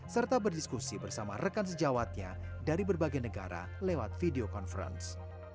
serta berdiskusi bersama rekan sejawatnya dari berbagai negara lewat video conference